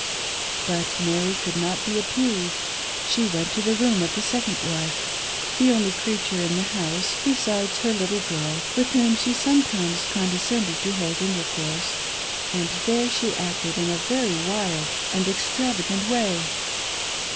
But Mary could not be appeased. She went to the room of ' the second wife — the only creature in the house, besides her little girl with whom she sometimes condescended to hold intercourse — and there she acted in a very wild.and extrav TROUBLED AT HEART. 57I agant way.